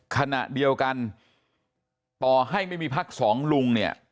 ขณะเดียวกันต่อให้ไม่มีพักสองลุงเนี่ย